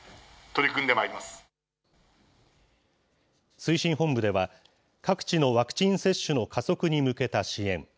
推進本部では、各地のワクチン接種の加速に向けた支援。